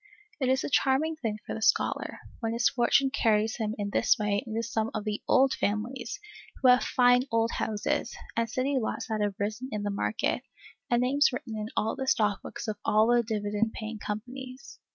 It is a charming thing for the scholar, when his fortune carries him in this way into some of the "old families" who have fine old houses, and city lots that have risen in the market, and names written in all the stock books of all the dividend paying companies.